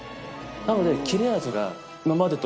なので。